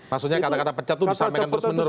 maksudnya kata kata pecat itu disampaikan terus menerus